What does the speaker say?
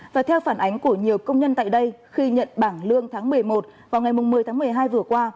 và theo phản ánh của nhiều công nhân tại đây khi nhận bảng lương tháng một mươi một vào ngày một mươi tháng một mươi hai vừa qua